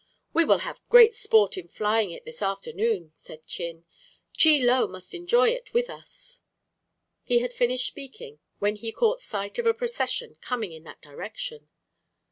"We will have great sport in flying it this afternoon," said Chin. "Chie Lo must enjoy it with us." He had finished speaking when he caught sight of a procession coming in that direction.